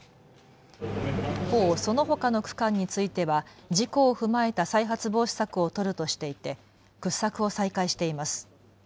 一方、そのほかの区間については事故を踏まえた再発防止策を取るとしていて掘削を再開しています。